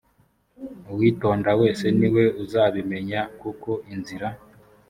uuwitonda wese ni we uzabimenya kuko inzira